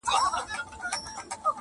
روڼي سترګي کرۍ شپه په شان د غله وي٫